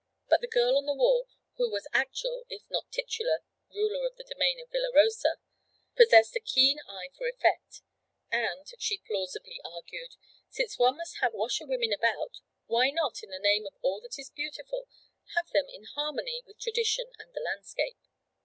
But the girl on the wall, who was actual if not titular ruler of the domain of Villa Rosa, possessed a keen eye for effect; and she plausibly argued since one must have washer women about, why not, in the name of all that is beautiful, have them in harmony with tradition and the landscape?